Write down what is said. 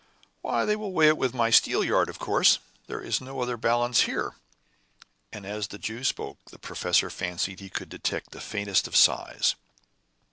"Why, they will weigh it with my steelyard, of course. There is no other balance here." And as the Jew spoke, the professor fancied he could detect the faintest of sighs.